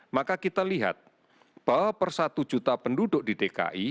maka kita lihat bahwa per satu juta penduduk di dki